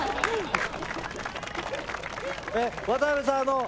渡邊さん